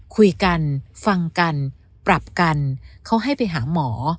คุยกันฟังกันปรับกันเขาให้ไปหาหมอ